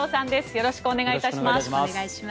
よろしくお願いします。